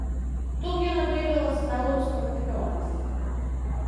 Тут яна выявіла сталую спрактыкаванасць.